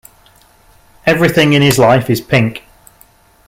Everything in his life is pink.